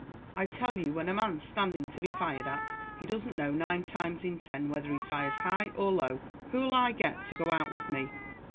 I tell you when a man's standing to be fired at, he doesn't know, nine times in ten, whether he fires high or low. Who'll I get to go out with me?"